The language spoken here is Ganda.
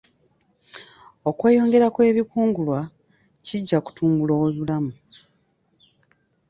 Okweyongera kw'ebikungulwa kijja kutumbula obulamu.